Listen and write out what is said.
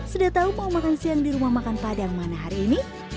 sudah tahu mau makan siang di rumah makan padang mana hari ini